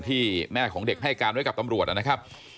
ที่แม่ของเด็กให้การไว้กับตำรวจนะครับ